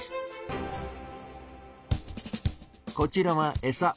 こちらはエサ。